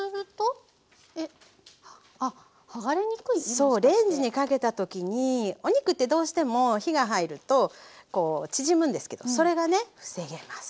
そうレンジにかけた時にお肉ってどうしても火が入ると縮むんですけどそれがね防げます。